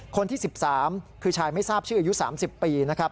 คนที่๑๓คือชายไม่ทราบชื่ออายุ๓๐ปีนะครับ